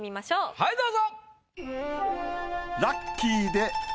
はいどうぞ！